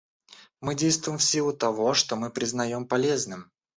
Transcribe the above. Мы действуем в силу того, что мы признаем полезным.